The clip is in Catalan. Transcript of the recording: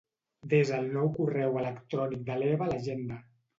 Desa el nou correu electrònic de l'Eva a l'agenda.